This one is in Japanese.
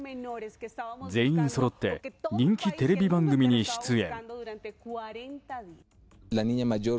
全員そろって人気テレビ番組に出演。